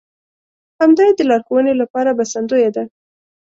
همدا يې د لارښوونې لپاره بسندويه ده.